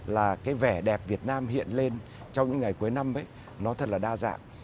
là cái vẻ đẹp việt nam hiện lên trong những ngày cuối năm ấy nó thật là đa dạng